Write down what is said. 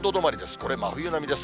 これ真冬並みです。